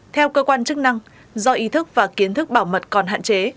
theo cơ quan chức năng do ý thức và kiến thức bảo mật còn hạn chế